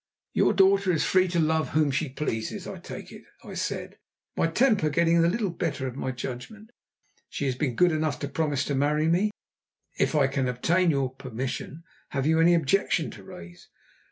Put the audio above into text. "Your daughter is free to love whom she pleases, I take it," I said, my temper getting a little the better of my judgment. "She has been good enough to promise to marry me if I can obtain your permission. Have you any objection to raise?"